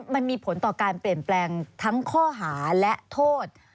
มันมีผลต่อการเปลี่ยนแปลงทั้งข้อหาและโทษ